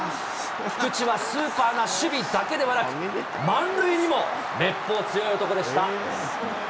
菊池はスーパーな守備だけではなく、満塁にもめっぽう強い男でした。